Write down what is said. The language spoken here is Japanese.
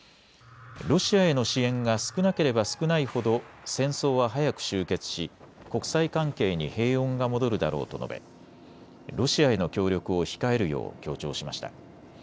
ロシアへの支援が少なければ少ないほど戦争は早く終結し国際関係に平穏が戻るだろうと述べ、ロシアへの協力を控えるよう強調しました。